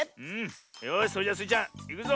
よしそれじゃスイちゃんいくぞ。